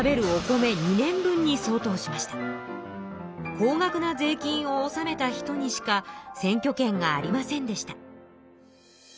高額な税金を納めた人にしか選挙権がありませんでした。